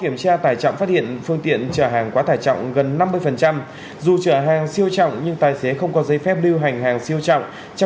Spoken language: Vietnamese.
hẹn gặp lại các bạn trong những video tiếp theo